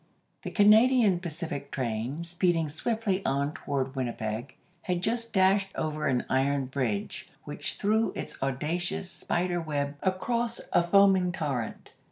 * The Canadian Pacific train, speeding swiftly on toward Winnipeg, had just dashed over an iron bridge which threw its audacious spider web across a foaming torrent.